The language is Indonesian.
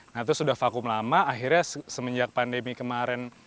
nah itu sudah vakum lama akhirnya semenjak pandemi kemarin